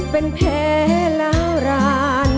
เป็นแพ้แล้วร้าน